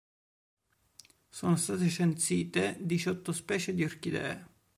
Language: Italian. Sono state censite diciotto specie di orchidee.